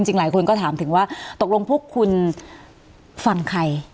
หลายคนก็ถามถึงว่าตกลงพวกคุณฟังใคร